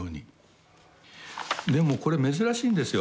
でもこれ珍しいんですよ。